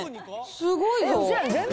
すごいぞ。